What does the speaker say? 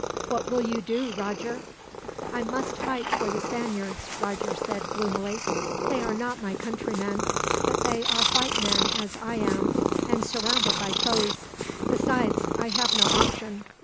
"What will you do, Roger?" "I must fight for the Spaniards," Roger said gloomily. "They are not my countrymen, but they are white men as I am, and surrounded by foes. Besides, I have no option.